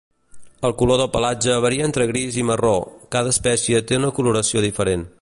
El color del pelatge varia entre gris i marró; cada espècie té una coloració diferent.